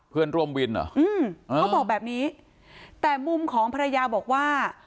เพื่อนร่วมวินเหรออืมเขาบอกแบบนี้แต่มุมของภรรยาบอกว่า